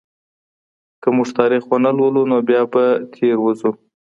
که موږ تاريخ ونه لولو نو بيا به تېروځو.